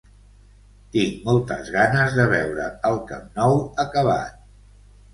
Tinc moltes ganes de veure el Camp Nou acabat.